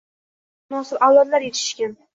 Ajdodlarimizga munosib avlodlar yetishishgan